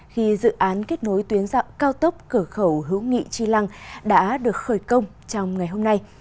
khi dự án kết nối tuyến dạng cao tốc cửa khẩu hữu nghị tri lăng đã được khởi công trong ngày hôm nay